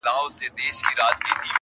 چي ما وويني پر بله لار تېرېږي.!